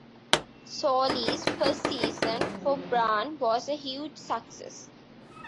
Solli's first season for Brann was a huge success.